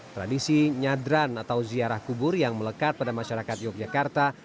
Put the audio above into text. tradisi nyadran atau ziarah kubur yang melekat pada masyarakat yogyakarta